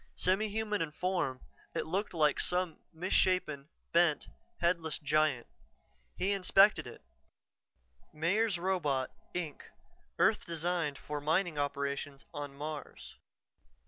Semi human in form, it looked like some misshapen, bent, headless giant. He inspected it: Meyers Robot, Inc. Earth designed for mining operations on Mars.